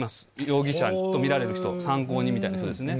容疑者と見られる人、参考人みたいな人ですね。